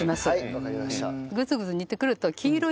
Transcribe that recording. わかりました。